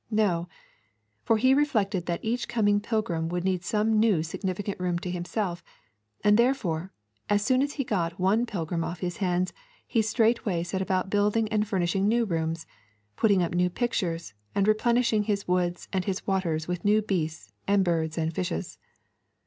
No, for he reflected that each coming pilgrim would need some new significant room to himself, and therefore, as soon as he got one pilgrim off his hands, he straightway set about building and furnishing new rooms, putting up new pictures, and replenishing his woods and his waters with new beasts and birds and fishes.